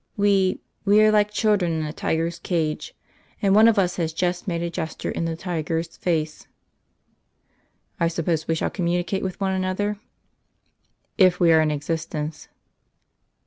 We we are like children in a tiger's cage. And one of us has just made a gesture in the tiger's face." "I suppose we shall communicate with one another?" "If we are in existence."